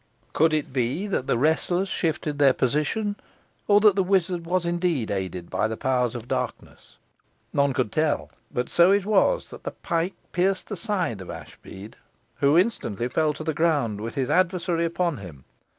Could it be that the wrestlers shifted their position, or that the wizard was indeed aided by the powers of darkness? None could tell, but so it was that the pike pierced the side of Ashbead, who instantly fell to the ground, with his adversary upon him.